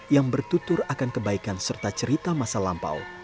yang bertutur akan kebaikan serta cerita masa lampau